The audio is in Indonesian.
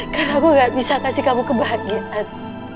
karena aku gak bisa kasih kamu kebahagiaan